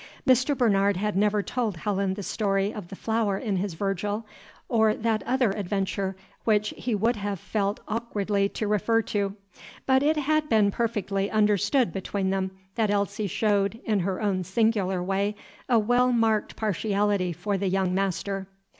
Mr. Bernard had never told Helen the story of the flower in his Virgil, or that other adventure which he would have felt awkwardly to refer to; but it had been perfectly understood between them that Elsie showed in her own singular way a well marked partiality for the young master.